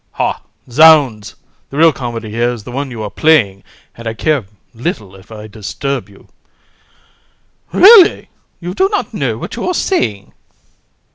HAR. Hah! zounds, the real comedy here is the one you are playing, and I care little if I disturb you. COUN. Really, you do not know what you are saying.